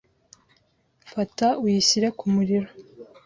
Fata, uyishyire ku muriro.